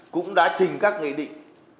cũng đã trình các nghề định